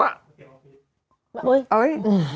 โอ๊ย